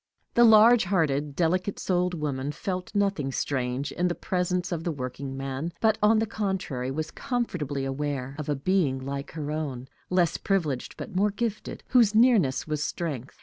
The large hearted, delicate souled woman felt nothing strange in the presence of the workingman, but, on the contrary, was comfortably aware of a being like her own, less privileged but more gifted, whose nearness was strength.